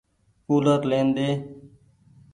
ڪولر لين ۮي۔